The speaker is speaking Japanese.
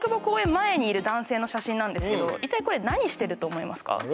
前にいる男性の写真なんですけど一体これ何してると思いますか？